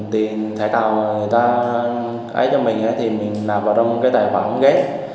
tiền thẻ cao người ta ấy cho mình thì mình nạp vào trong cái tài khoản ghép